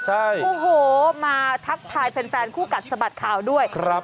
โอ้โหมาทักทายแฟนคู่กัดสะบัดข่าวด้วยครับ